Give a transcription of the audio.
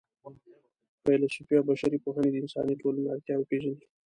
فېلسوفي او بشري پوهنې د انساني ټولنو اړتیاوې پېژني.